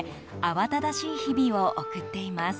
慌ただしい日々を送っています。